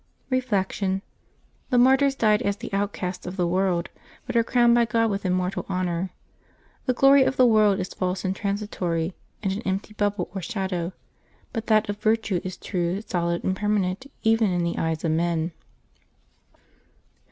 Reflection. — The mart}Ts died as the outcasts of the world, but are crowned by God with immortal honor. The glory of the world is false and transitory, and an empty bubble or shadow, but that of virtue is true, solid, and permanent, even in the eyes of men.